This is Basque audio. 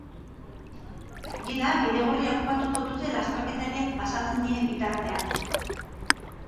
Gainera, bidegorria okupatuko dute lasterkariak pasatzen diren bitartean.